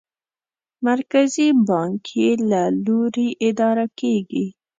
مرکزي بانک یې له لوري اداره کېږي.